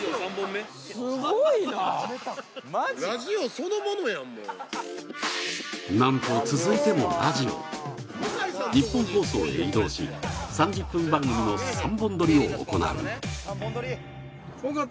すごいな何と続いてもラジオニッポン放送へ移動し３０分番組の３本録りを行う